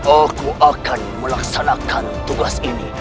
aku akan melaksanakan tugas ini